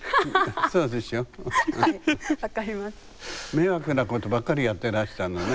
迷惑なことばかりやってらしたのね。